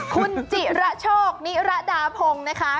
คุณจิระโชคนิรดาพงศ์นะคะ